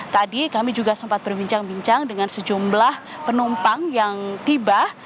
tadi kami juga sempat berbincang bincang dengan sejumlah penumpang yang tiba